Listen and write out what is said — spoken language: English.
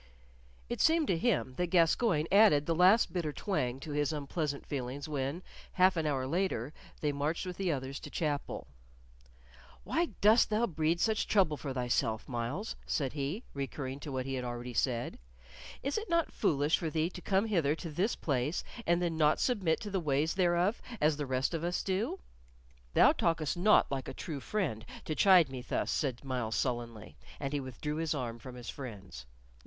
It seemed to him that Gascoyne added the last bitter twang to his unpleasant feelings when, half an hour later, they marched with the others to chapel. "Why dost thou breed such trouble for thyself, Myles?" said he, recurring to what he had already said. "Is it not foolish for thee to come hither to this place, and then not submit to the ways thereof, as the rest of us do?" "Thou talkest not like a true friend to chide me thus," said Myles, sullenly; and he withdrew his arm from his friend's.